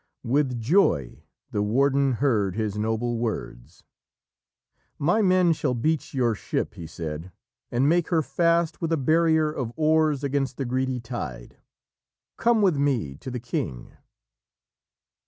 With joy the warden heard his noble words. "My men shall beach your ship," he said, "and make her fast with a barrier of oars against the greedy tide. Come with me to the king."